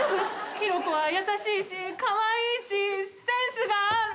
ヒロコは優しいしかわいいしセンスが。